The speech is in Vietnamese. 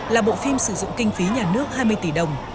là bộ phim sử dụng kinh phí nhà nước hai mươi tỷ đồng